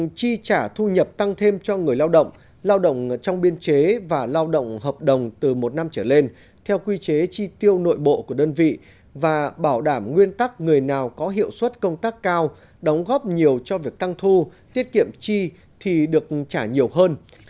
chi trả thu nhập tăng thêm cho người lao động lao động trong biên chế và lao động hợp đồng từ một năm trở lên theo quy chế chi tiêu nội bộ của đơn vị và bảo đảm nguyên tắc người nào có hiệu suất công tác cao đóng góp nhiều cho việc tăng thu tiết kiệm chi thì được trả nhiều hơn